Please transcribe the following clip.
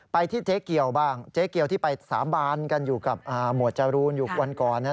ที่เจ๊เกียวบ้างเจ๊เกียวที่ไปสาบานกันอยู่กับหมวดจรูนอยู่วันก่อน